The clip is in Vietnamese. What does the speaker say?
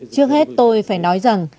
trước hết tôi phải nói rằng